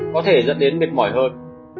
có thể dẫn đến mệt mỏi hơn